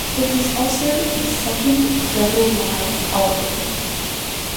It is also the second double live album.